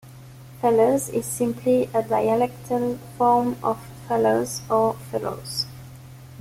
"Fellers" is simply a dialectal form of "fellas" or "fellows".